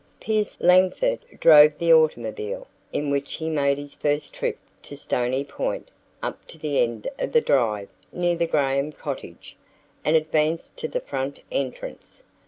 Pierce Langford drove the automobile, in which he made his first trip to Stony Point, up to the end of the drive near the Graham cottage, and advanced to the front entrance.